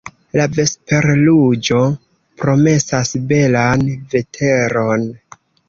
La vesperruĝo promesas belan veteron.